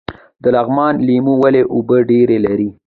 د لغمان لیمو ولې اوبه ډیرې لري؟